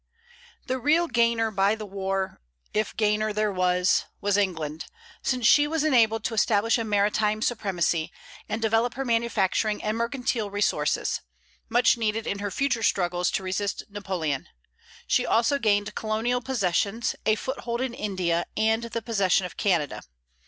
The real gainer by the war, if gainer there was, was England, since she was enabled to establish a maritime supremacy, and develop her manufacturing and mercantile resources, much needed in her future struggles to resist Napoleon. She also gained colonial possessions, a foothold in India, and the possession of Canada.